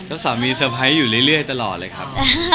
สามีเตอร์ไพรส์อยู่เรื่อยตลอดเลยครับ